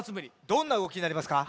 どんなうごきになりますか？